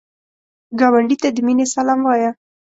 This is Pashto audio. ګاونډي ته د مینې سلام وایه